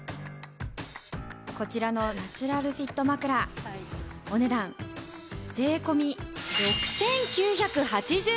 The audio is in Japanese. こちらのナチュラルフィット枕お値段税込６９８０円です。